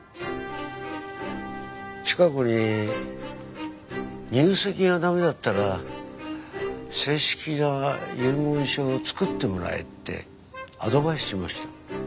チカ子に入籍が駄目だったら正式な遺言書を作ってもらえってアドバイスしました。